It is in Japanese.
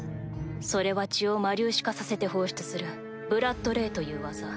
それは血を魔粒子化させて放出するブラッドレイという技。